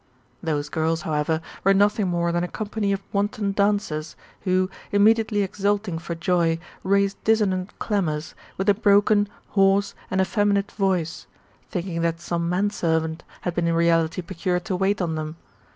Those girls, however, were nothing more than a company of wanton dancers, who, immediately exulting for joy, raised dissonant clamours, with a broken, hoarse, and effemi nate voice ; thinking that some man servant had been in reality procured to wait on them.